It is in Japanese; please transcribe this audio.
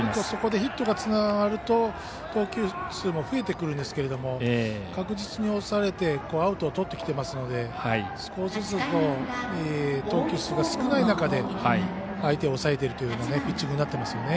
そこでヒットがつながると投球数も増えてくるんですけど確実に押されてアウトをとってきてますので少しずつ投球数が少ない中で相手を抑えるというピッチングになっています。